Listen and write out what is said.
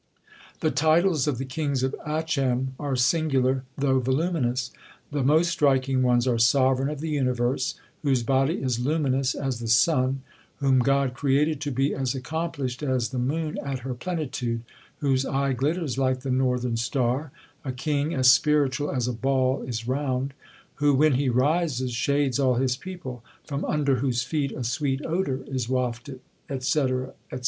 The titles of the kings of Achem are singular, though voluminous. The most striking ones are sovereign of the universe, whose body is luminous as the sun; whom God created to be as accomplished as the moon at her plenitude; whose eye glitters like the northern star; a king as spiritual as a ball is round; who when he rises shades all his people; from under whose feet a sweet odour is wafted, &c. &c.